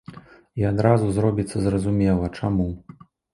І адразу зробіцца зразумела, чаму.